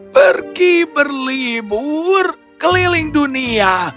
pergi berlibur keliling dunia